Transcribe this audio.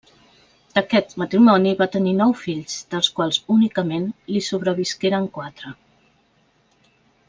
D'aquest matrimoni va tenir nou fills, dels quals únicament li sobrevisqueren quatre.